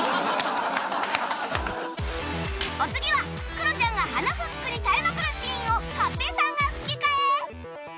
お次はクロちゃんが鼻フックに耐えまくるシーンを勝平さんが吹き替え